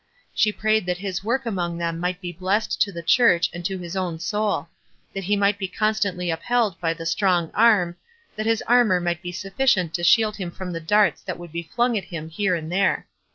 She prayed that his work among them might be blessed to the Church and to his own soul ; that he might be constantly upheld by the strong Arm ; that his armor :night be sufficient to shield him from the darts that would be flung at him here and there.